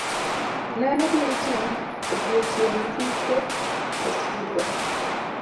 Ne en odiochieng' tuke e skundwa.